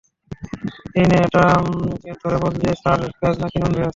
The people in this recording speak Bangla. এইনে, এটা ধরে বল যে, স্যার, ভেজ নাকি ননভেজ?